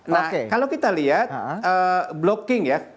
nah kalau kita lihat blocking ya